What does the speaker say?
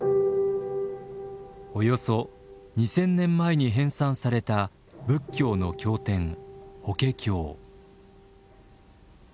およそ２，０００年前に編纂された仏教の経典「法華経」。